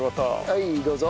はいどうぞ。